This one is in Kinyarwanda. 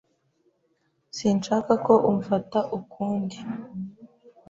Sinshaka ko umfata ukundi.